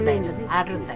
あるんだ。